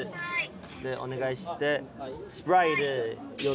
でお願いして。